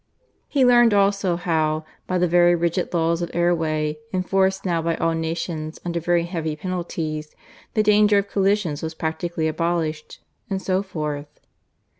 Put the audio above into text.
He learned also how, by the very rigid laws of air way, enforced now by all nations under very heavy penalties, the danger of collisions was practically abolished; and so forth.